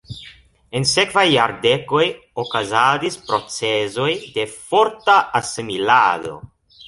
En sekvaj jardekoj okazadis procezoj de forta asimilado.